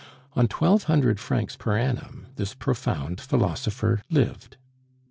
On twelve hundred francs per annum this profound philosopher lived.